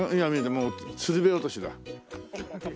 もうつるべ落としだ。